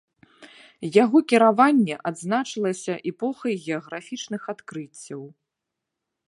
Яго кіраванне адзначылася эпохай геаграфічных адкрыццяў.